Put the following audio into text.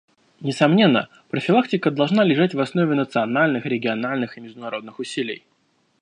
Несомненно, профилактика должна лежать в основе национальных, региональных и международных усилий.